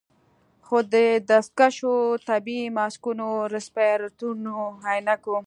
خو د دستکشو، طبي ماسکونو، رسپايرتورونو، عينکو